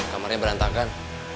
maaf kamarnya berantakan